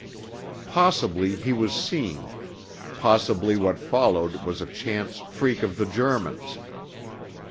Possibly he was seen, possibly what followed was a chance freak of the Germans.